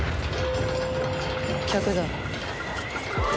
客だ。